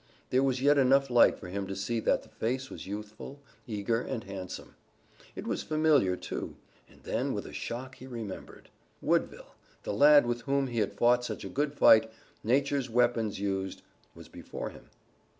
There was yet enough light for him to see that the face was youthful, eager and handsome. It was familiar, too, and then with a shock he remembered. Woodville, the lad with whom he had fought such a good fight, nature's weapons used, was before him.